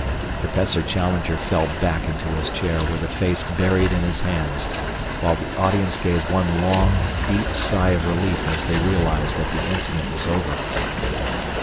Professor Challenger fell back into his chair with his face buried in his hands, while the audience gave one long, deep sigh of relief as they realized that the incident was over.